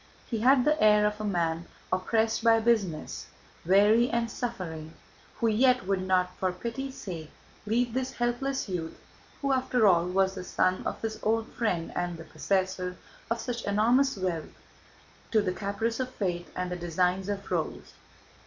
He had the air of a man oppressed by business, weary and suffering, who yet would not, for pity's sake, leave this helpless youth who, after all, was the son of his old friend and the possessor of such enormous wealth, to the caprice of fate and the designs of rogues.